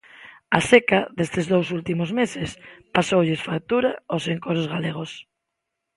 A seca destes dous últimos meses pasoulles factura aos encoros galegos.